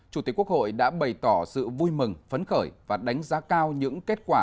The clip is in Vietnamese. chủ tịch quốc hội đã bày tỏ sự vui mừng phấn khởi và đánh giá cao những kết quả